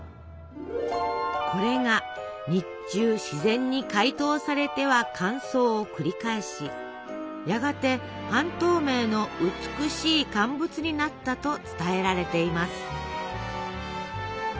これが日中自然に解凍されては乾燥を繰り返しやがて半透明の美しい乾物になったと伝えられています。